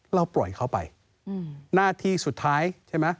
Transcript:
เราปล่อยเขาไปหน้าที่สุดท้ายใช่ไหม